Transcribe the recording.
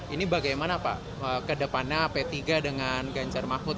ini bagaimana pak ke depannya p tiga dengan ganjar mahfud